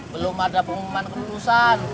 belum ada pengumuman keputusan